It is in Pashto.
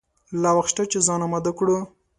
لا وخت شته چې ځان آمده کړو.